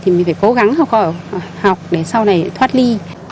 thì mình phải cố gắng học để sau này thoát ly